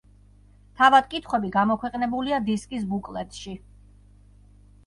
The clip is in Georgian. თავად კითხვები გამოქვეყნებულია დისკის ბუკლეტში.